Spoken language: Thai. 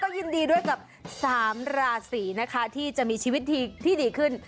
ยินดีด้วยกับ๓ราศีนะคะที่จะมีชีวิตที่ดีขึ้น